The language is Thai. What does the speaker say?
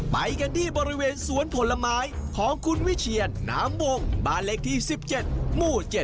ไปกันที่บริเวณสวนผลไม้ของคุณวิเชียนน้ำวงบ้านเลขที่๑๗หมู่๗